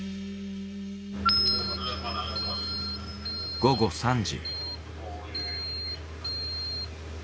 午後３時。